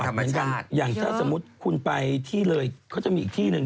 คือมันเป็นหมอกเป็นอะไรขึ้นมาให้รักษาดูเหมือน